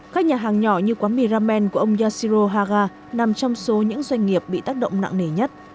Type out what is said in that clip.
các nhà hàng nhỏ như quán mì ramen của ông yashiro haga nằm trong số những doanh nghiệp bị tác động nặng nề nhất